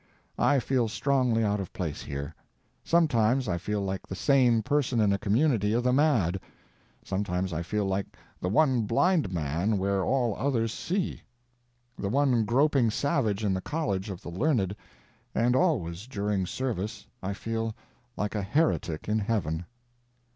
I feel strongly out of place here. Sometimes I feel like the sane person in a community of the mad; sometimes I feel like the one blind man where all others see; the one groping savage in the college of the learned, and always, during service, I feel like a heretic in heaven.